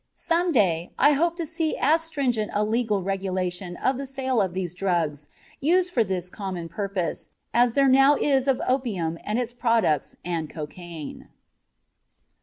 Some day I hope to see as stringent a legal regulation of the sale of these drugs, used for this common purpose, as there now is of opium and its products and cocaine.